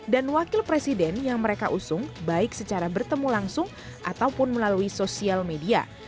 dan wakil presiden yang mereka usung baik secara bertemu langsung ataupun melalui sosial media